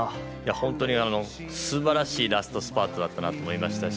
本当に素晴らしいラストスパートだったなと思いましたし